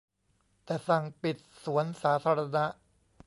แต่สั่งปิดสวนสาธารณะ